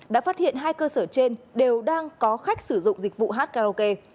đã phát hiện hai cơ sở trên đều đang có khách sử dụng dịch vụ hát karaoke